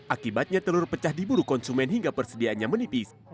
akibatnya telur pecah diburu konsumen hingga persediaannya menipis